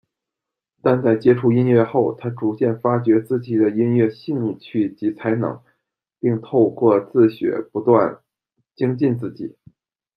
但在接触音乐后，他逐渐发掘自己的音乐兴趣及才能，并透过自学不断精进自己。